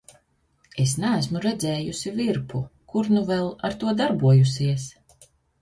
Es neesmu redz?jusi virpu, kur nu v?l ar to darbojusies.